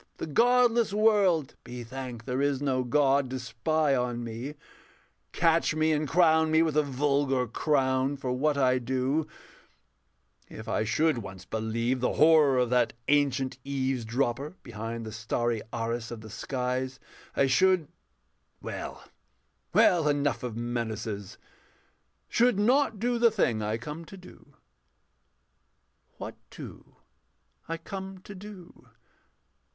The godless world Be thanked there is no God to spy on me, Catch me and crown me with a vulgar crown For what I do: if I should once believe The horror of that ancient Eavesdropper Behind the starry arras of the skies, I should well, well, enough of menaces should not do the thing I come to do. What do I come to do?